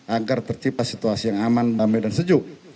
agar tercipta situasi yang aman damai dan sejuk